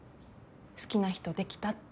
好きな人できたって。